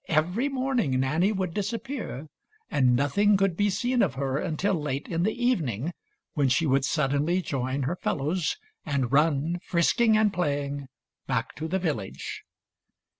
Every morning Nanny would disappear and nothing could be seen of her until late in the evening, when she would suddenly join her fel lows and run, frisking and playing, back to the village.